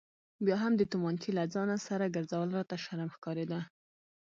بیا هم د تومانچې له ځانه سره ګرځول راته شرم ښکارېده.